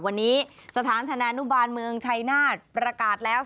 วันนี้สถานธนานุบาลเมืองชัยนาฏประกาศแล้ว